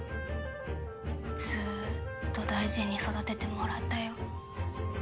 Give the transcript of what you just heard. ずっと大事に育ててもらったよ。